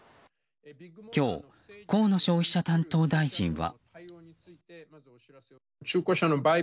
今日、河野消費者担当大臣は。